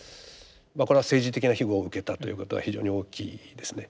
これは政治的な庇護を受けたということが非常に大きいですね。